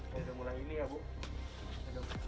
sudah mulai ini ya bu